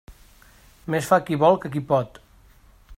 Més fa qui vol que qui pot.